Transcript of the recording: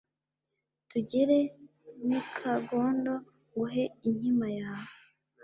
tugere n’ i kagondo nguhe inkima yawe